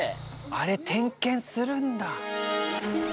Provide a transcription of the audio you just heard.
あれ点検するんだ。